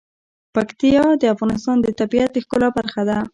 پکتیا د افغانستان د طبیعت د ښکلا برخه ده.